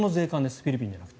フィリピンじゃなくて。